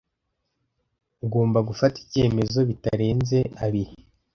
Ugomba gufata icyemezo bitarenze abiri .